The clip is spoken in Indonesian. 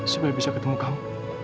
supaya bisa ketemu kamu